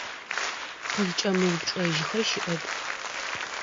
Къызкӏэмыупчӏэжьыхэ щыӏэп.